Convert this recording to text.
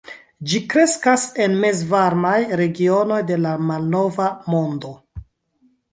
Ĝi kreskas en mezvarmaj regionoj de la malnova mondo.